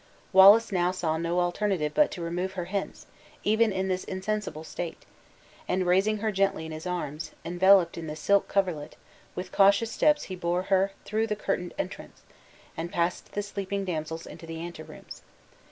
Wallace now saw no alternative but to remove her hence, even in this insensible state; and, raising her gently in his arms, enveloped in the silk coverlet, with cautious steps he bore her through the curtained entrance, and passed the sleeping damsels into the anterooms.